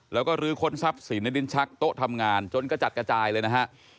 แล้วก็ลื้อค้นทรัพย์สินในดินชักโต๊ะทำงานจนกระจัดกระจายเลยนะฮะ